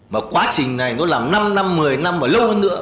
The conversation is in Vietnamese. mà quá trình này nó làm năm năm một mươi năm và lâu hơn nữa